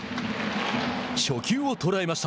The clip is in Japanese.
初球を捉えました。